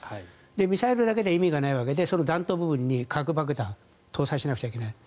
ミサイルだけじゃ意味がないわけで弾頭部分に核爆弾を搭載しなくちゃいけない。